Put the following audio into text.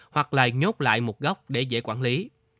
hoặc là nhốt lại một góc để dễ quản lý